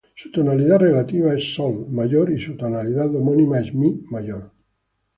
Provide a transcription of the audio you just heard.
Su tonalidad relativa es "sol" mayor, y su tonalidad homónima es "mi" mayor.